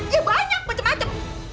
ya banyak macam macam